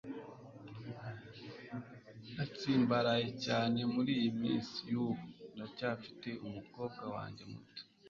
Ndatsimbaraye cyane muriyi minsi yubu ndacyafite umukobwa wanjye muto